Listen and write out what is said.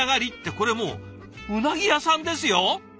これもううなぎ屋さんですよ！？